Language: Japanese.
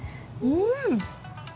うん！